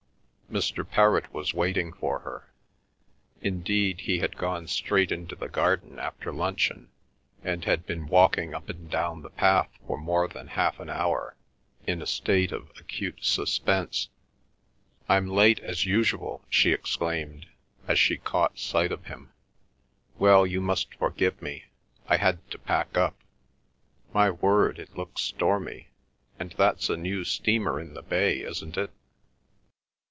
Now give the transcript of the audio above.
Mr. Perrott was waiting for her. Indeed, he had gone straight into the garden after luncheon, and had been walking up and down the path for more than half an hour, in a state of acute suspense. "I'm late as usual!" she exclaimed, as she caught sight of him. "Well, you must forgive me; I had to pack up. ... My word! It looks stormy! And that's a new steamer in the bay, isn't it?"